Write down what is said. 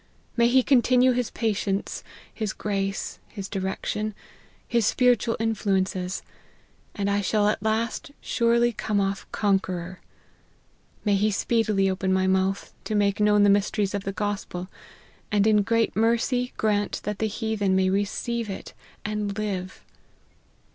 May he continue his patience, his grace, his direction, his spiritual influences, and I shall at last surely come off* conqueror ! May he speedily open my mouth, to make known the mysteries of the gospel, and in great mercy grant that the heathen may receive it and live